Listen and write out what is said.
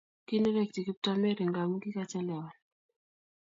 Kinerekyi Kiptoo Mary ngamu kikachelewan